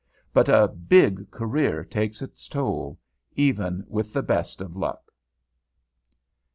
But a "big" career takes its toll, even with the best of luck.